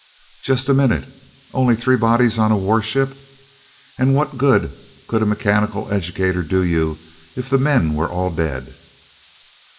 "Just a minute. Only three bodies on a warship? And what good could a mechanical educator do you if the men were all dead?"